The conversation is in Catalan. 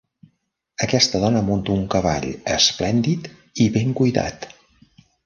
Aquesta dona munta un cavall esplèndid i ben cuidat.